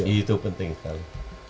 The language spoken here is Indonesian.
itu penting sekali